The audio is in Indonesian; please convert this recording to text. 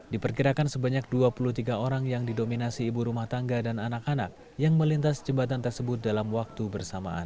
diperkirakan sebanyak dua puluh tiga orang yang didominasi ibu rumah tangga dan anak anak yang melintas jembatan tersebut dalam waktu bersamaan